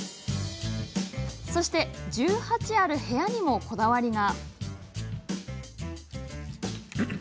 そして１８ある部屋にもこだわりが。